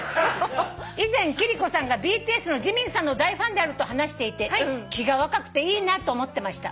「以前貴理子さんがＢＴＳのジミンさんの大ファンであると話していて気が若くていいなと思ってました」